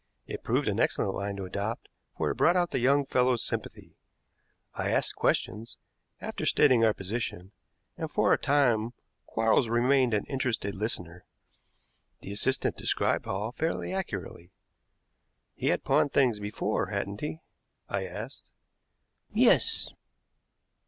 It proved an excellent line to adopt, for it brought out the young fellow's sympathy. I asked questions, after stating our position, and for a time Quarles remained an interested listener. The assistant described Hall fairly accurately. "He had pawned things before, hadn't he?" I asked. "Yes."